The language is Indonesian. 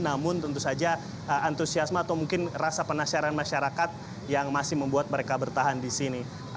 namun tentu saja antusiasme atau mungkin rasa penasaran masyarakat yang masih membuat mereka bertahan di sini